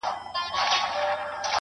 د هجرت غوټه تړمه روانېږم.